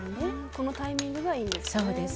このタイミングがいいんですね。